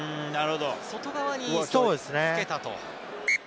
外側につけたと。